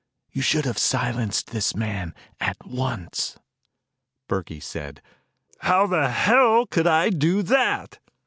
You should have silenced this man at once." Burkey said, "How the hell could I do that?"